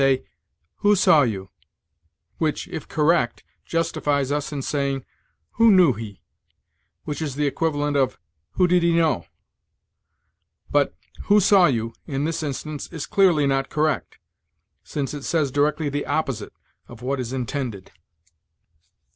say, "Who saw you?" which, if correct, justifies us in saying, "Who knew he," which is the equivalent of "Who did he know?" But "Who saw you?" in this instance, is clearly not correct, since it says directly the opposite of what is intended.